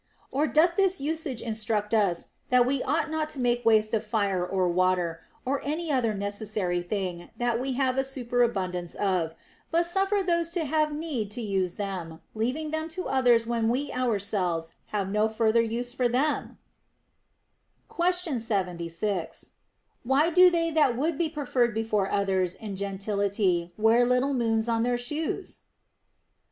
Or doth this usage instruct us that we ought not to make waste of fire or water, or any other necessary thing that we have a super abundance of, but suffer those that have need to use them, leaving them to others when we ourselves have no further use for them % Question 76. Why do they that would be preferred be fore others in gentility wear little moons on their shoes